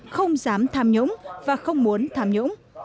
không dám tham nhũng và không muốn tham nhũng